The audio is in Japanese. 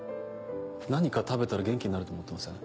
何か食べたら元気になると思ってません？